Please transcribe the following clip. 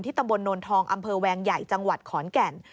ตำบลโนนทองอำเภอแวงใหญ่จังหวัดขอนแก่น